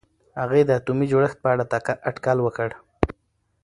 هغې د اتومي جوړښت په اړه اټکل وکړ.